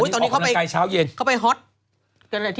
ตอนนี้เข้าไปฮอต